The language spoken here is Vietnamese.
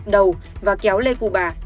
đầu và kéo lê cù bà